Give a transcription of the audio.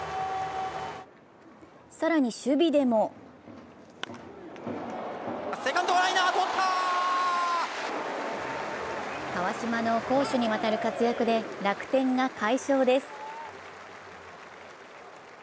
更に守備でも川島の攻守にわたる活躍で楽天が快勝です。